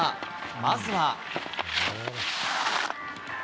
まずは。